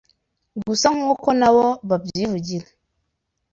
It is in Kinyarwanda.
Gusa nk’uko na bo babyivugira,